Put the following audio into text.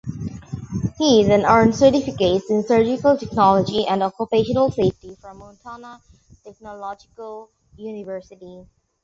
He then earned certificates in surgical technology and occupational safety from Montana Technological University.